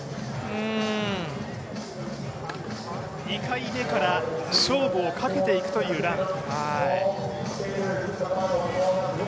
２回目から勝負をかけていくというラン。